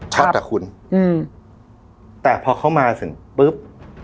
ช็อตอ่ะคุณอืมแต่พอเข้ามาถึงปึ๊บ